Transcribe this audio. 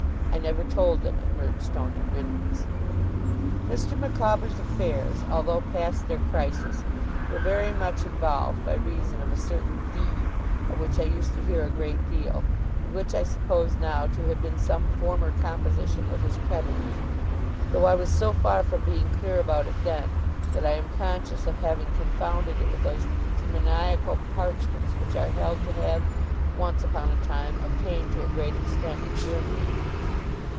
I never told them at Murdstone and Grinby's. Mr. Micawber's affairs, although past their crisis, were very much involved by reason of a certain 'Deed', of which I used to hear a great deal, and which I suppose, now, to have been some former composition with his creditors, though I was so far from being clear about it then, that I am conscious of having confounded it with those demoniacal parchments which are held to have, once upon a time, obtained to a great extent in Germany.